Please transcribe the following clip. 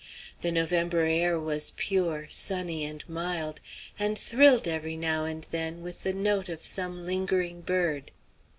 The November air was pure, sunny, and mild, and thrilled every now and then with the note of some lingering bird.